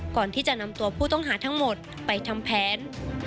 ก่อนที่จะนำตัวผู้ต้องหาทั้งหมดไปทำแผน